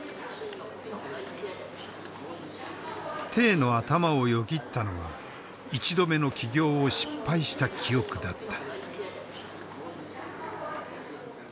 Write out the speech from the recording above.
の頭をよぎったのは１度目の起業を失敗した記憶だった。